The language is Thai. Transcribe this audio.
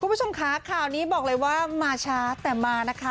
คุณผู้ชมค่ะข่าวนี้บอกเลยว่ามาช้าแต่มานะคะ